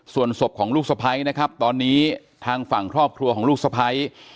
ส่วนศพของลูกสะพ้ายนะครับตอนนี้ทางฝั่งครอบครัวของลูกสะพ้าย